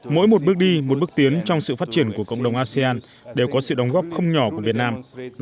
mỗi một bước đi một bước tiến trong sự phát triển của cộng đồng asean đều có sự đóng góp không nhỏ của việt nam